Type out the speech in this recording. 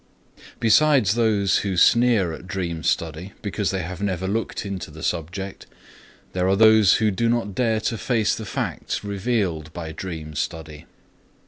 Besides those who sneer at dream study, because they have never looked into the subject, there are those who do not dare to face the facts revealed by dream study.